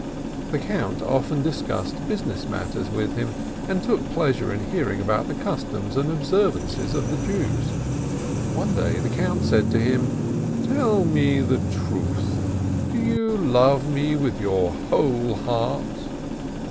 The Count often discussed business matters with him, and took pleasure in hearing about the customs and observances of the Jews. One day the Count said to him, "Tell me the truth, do you love me with your whole heart